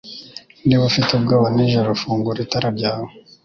Niba ufite ubwoba nijoro fungura itara ryawe